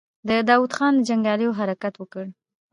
د داوود خان جنګياليو حرکت وکړ.